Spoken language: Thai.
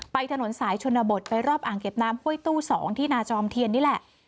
ถนนสายชนบทไปรอบอ่างเก็บน้ำห้วยตู้๒ที่นาจอมเทียนนี่แหละ